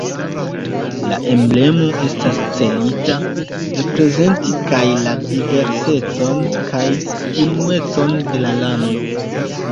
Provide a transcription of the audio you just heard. La emblemo estas celita reprezenti kaj la diversecon kaj unuecon de la lando.